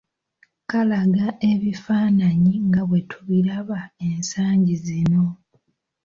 Kalaga ebifaananyi nga bwe tubiraba ensangi zino